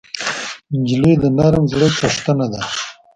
نجلۍ د نرم زړه څښتنه ده.